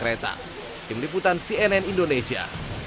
kereta tim liputan cnn indonesia